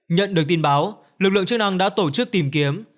nhận được tin báo lực lượng chức năng đã tổ chức tìm kiếm